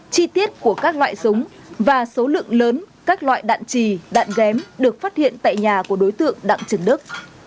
chi tiết của các loại súng và số lượng lớn các loại đạn trì đạn ghém được phát hiện tại nhà của đối tượng đặng trần đức